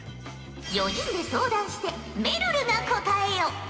４人で相談してめるるが答えよ。